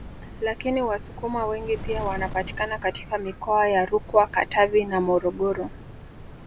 Lakini Wasukuma wengi pia wanapatikana katika mikoa ya Rukwa Katavi na Morogoro